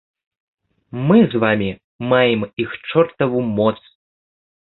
Мы з вамі маем іх чортаву моц.